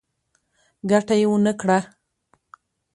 ګټه يې ونکړه.